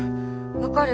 分かる？